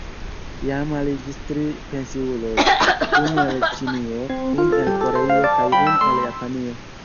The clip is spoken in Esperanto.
Jam aliĝis tri pensiuloj: unu el Ĉinio, unu el Koreio kaj unu el Japanio.